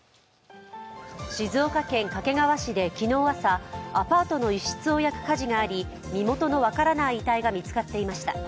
静岡県掛川市で昨日朝、アパートの一室を焼く火事があり身元の分からない遺体が見つかっていました。